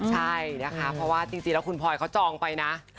ใช่นะคะเพราะว่าจริงแล้วคุณพลอยเขาจองไปนะ